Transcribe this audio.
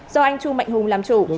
do anh chu mạnh hùng làm chủ